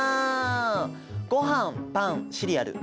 ごはんパンシリアル。